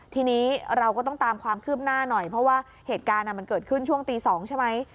ทีนี้เราก็ต้องตามความคืบหน้าหน่อยเพราะว่าเหตุการณ์มันเกิดขึ้นช่วงตี๒ใช่ไหม